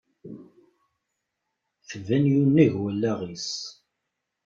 Tban yunnag wallaɣ-is.